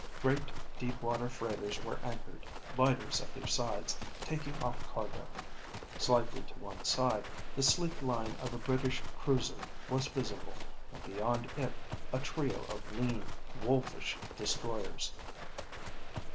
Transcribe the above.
Great deep water freighters were anchored, lighters at their sides taking off cargo. Slightly to one side, the sleek line of a British cruiser was visible, and beyond it a trio of lean, wolfish destroyers.